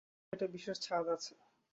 ওর চেহারাতেই একটা বিশেষ ছাঁদ আছে।